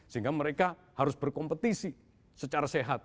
sehingga mereka harus berkompetisi secara sehat